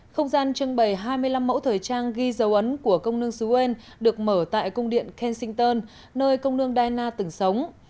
không gian trưng bày hai mươi năm mẫu thời trang ghi dấu ấn của công nương sưu uên được mở tại cung điện kensington nơi công nương diana từng sống